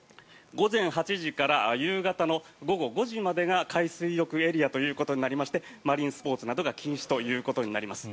午前８時から夕方の午後５時までが海水浴エリアということになりましてマリンスポーツなどが禁止ということになります。